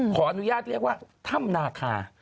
ขออนุญาตเรียกว่าถ้ำนาคา